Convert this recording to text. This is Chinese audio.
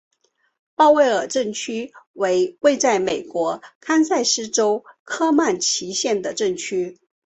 鲍威尔镇区为位在美国堪萨斯州科曼奇县的镇区。